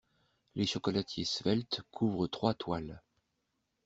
Les chocolatiers sveltes couvrent trois toiles.